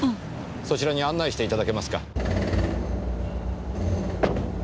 そちらに案内していただけますか。